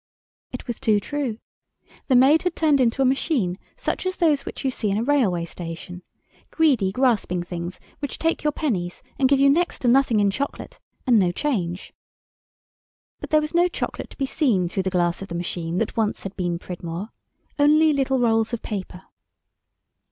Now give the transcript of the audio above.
It was too true. The maid had turned into a machine such as those which you see in a railway station—greedy, grasping things which take your pennies and give you next to nothing in chocolate and no change. But there was no chocolate to be seen through the glass of the machine that once had been Pridmore. Only little rolls of paper.